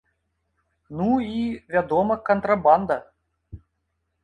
Ну і, вядома, кантрабанда.